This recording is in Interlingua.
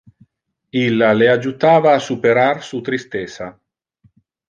Illa le adjutava a superar su tristessa.